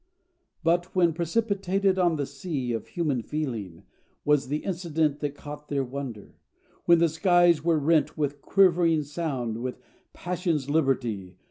But when precipitated on the sea Of human feeling was the incident That caught their wonder; then the skies were rent With quivering sound, with passion's liberty.